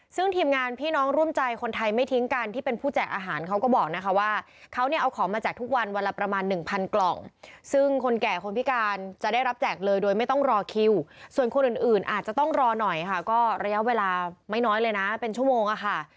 ซึ่งทีมงานพี่น้องร่วมใจคนไทยไม่ทิ้งกันที่เป็นผู้แจกอาหารเขาก็บอกนะคะว่าเขาเนี่ยเอาของมาแจกทุกวันวันละประมาณหนึ่งพันกล่องซึ่งคนแก่คนพิการจะได้รับแจกเลยโดยไม่ต้องรอคิวส่วนคนอื่นอาจจะต้องรอหน่อยค่ะก็ระยะเวลาไม่น้อยเลยนะเป็นชั่วโมงอะค่ะ